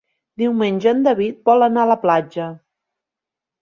Diumenge en David vol anar a la platja.